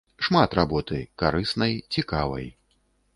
Шмат работы, карыснай, цікавай.